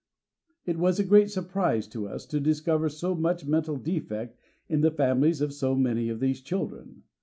It was viii PREFACE a great surprise to us to discover so much mental defect in the families of so many of these children.